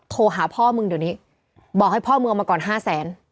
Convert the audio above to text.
โทรหาพ่อมึงเดี๋ยวนี้บอกให้พ่อมึงเอามาก่อนห้าแสน